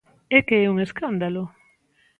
É que é un escándalo.